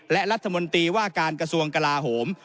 และรัฐมนตรีว่าการกระทรวงกลาโหม